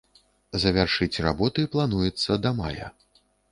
Завяршыць работы плануецца да мая.